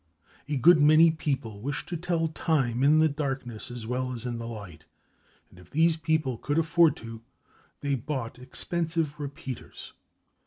A good many people wish to tell time in the darkness as well as in the light, and if these people could afford to, they bought expensive repeaters.